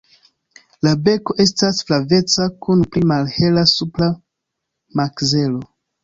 La beko estas flaveca kun pli malhela supra makzelo.